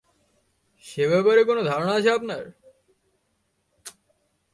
সে ব্যাপারে কোনো ধারণা আছে আপনার?